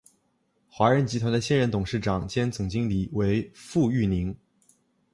华润集团的现任董事长兼总经理为傅育宁。